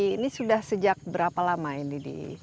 ini sudah sejak berapa lama ini di